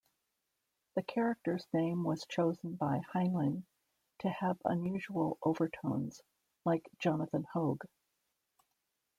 The character's name was chosen by Heinlein to have unusual overtones, like Jonathan Hoag.